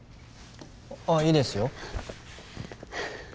ああいいですよ。